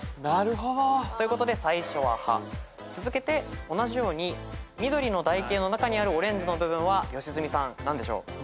なるほど。ということで最初は「ハ」続けて同じように緑の台形の中にあるオレンジの部分は良純さん何でしょう？